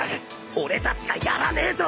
俺たちがやらねえと！